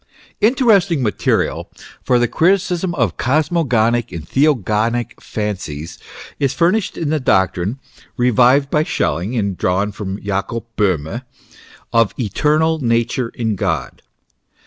INTERESTING material for the criticism of cosmogonic and theo gonic fancies is furnished in the doctrine revived hy Schelling and drawn from Jacob Bohme of eternal Nature in God.